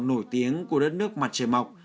nổi tiếng của đất nước mặt trời mọc